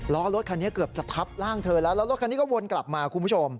รถรถคันนี้ก็วนกลับมาคุณผู้ชม